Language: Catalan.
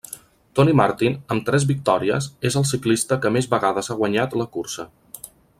Tony Martin, amb tres victòries, és el ciclista que més vegades ha guanyat la cursa.